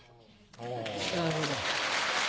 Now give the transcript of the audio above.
なるほど。